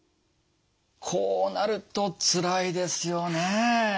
こうなるとつらいですよね。